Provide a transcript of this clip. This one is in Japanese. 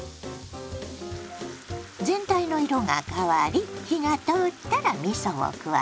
全体の色が変わり火が通ったらみそを加えます。